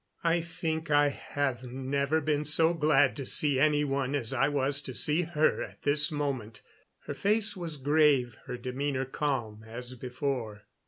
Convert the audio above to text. I think I have never been so glad to see any one as I was to see her at this moment. Her face was grave; her demeanor calm, as before.